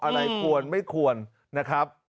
อะไรควรไม่ควรนะครับ